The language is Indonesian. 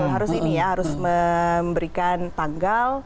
harus ini ya harus memberikan tanggal